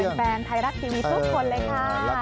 แหน่ะเป็นแฟนไทยรักทีวีทุกคนเลยครับ